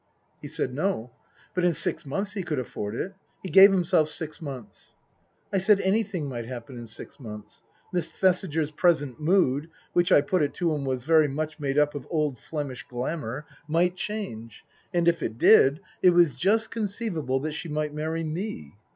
He said : No. But in six months he could afford it. He gave himself six months. I said, Anything might happen in six months. Miss Thesiger's present mood (which, I put it to him, was very much made up of old Flemish glamour) might change. And if it did, it was just conceivable that she might marry me.